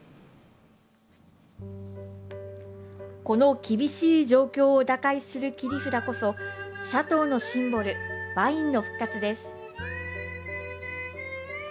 この厳しい状況を打開する切り札こそシャトーのシンボルワインの復活です。